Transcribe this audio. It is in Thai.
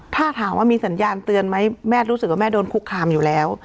ถ้าถามว่ามีสัญญาณเตือนไหมแม่รู้สึกว่าแม่โดนคุกคามอยู่แล้ว